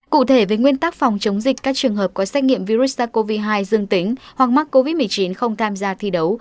cụ thể về nguyên tắc phòng chống dịch các trường hợp có xét nghiệm virus sars cov hai dương tính hoặc mắc covid một mươi chín không tham gia thi đấu